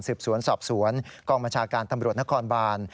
สืบสวนสอบสวนกองบัญชาการตำรวจนครบาน